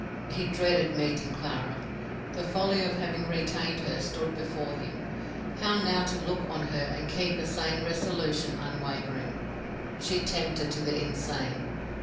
He dreaded meeting Clara. The folly of having retained her stood before him. How now to look on her and keep a sane resolution unwavering? She tempted to the insane.